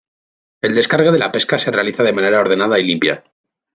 El descargue de la pesca se realiza de manera ordenada y limpia.